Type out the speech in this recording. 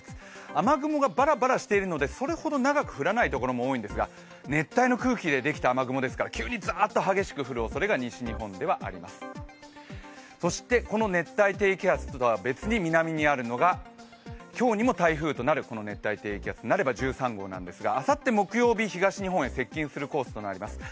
雨雲がバラバラしてるのでそれほど長く降らないと思うんですが熱帯の空気でできた雨雲ですから急にザっと強く降る可能性が西日本ではあります、そしてこの熱帯低気圧とは別に南にあるのが今日にも台風となる熱帯低気圧、なれば１３号なんですが、あさって木曜日、東日本に接近するコースとなっています。